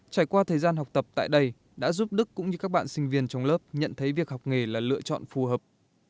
trải qua thời gian học tập tại đây đã giúp đức cũng như các bạn sinh viên trong lớp nhận thấy việc học nghề là lựa chọn phù hợp